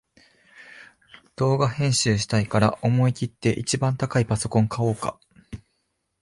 動画編集したいから思いきって一番高いパソコン買おうか